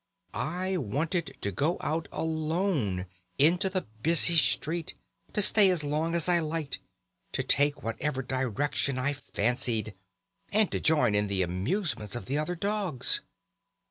I wanted to go out alone, into the busy street, to stay as long as I liked, to take whatever direction I fancied, and to join in the amusements of other dogs.